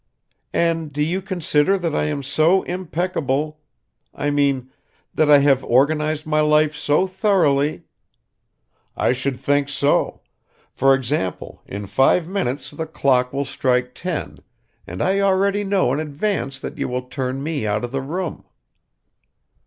"And do you consider that I am so impeccable ... I mean, that I have organized my life so thoroughly ..." "I should think so! For example, in five minutes the clock will strike ten and I already know in advance that you will turn me out of the room."